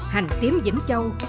hành tím vĩnh châu